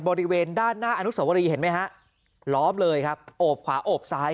บริเวณด้านหน้าอนุสวรีเห็นไหมฮะล้อมเลยครับโอบขวาโอบซ้าย